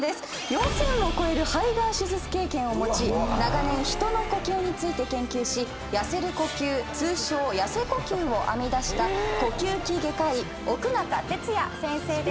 ４，０００を超える肺がん手術経験を持ち長年人の呼吸について研究し痩せる呼吸通称痩せ呼吸を編み出した呼吸器外科医奥仲哲弥先生です。